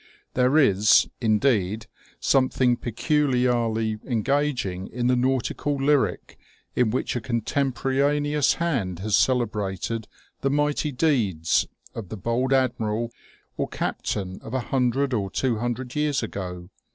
There is, indeed, something peculiarly engaging in the nautical lyric in which a contempo raneous hand has celebrated the mighty deeds of the bold admiral or captain of a hundred or two hundred years ago.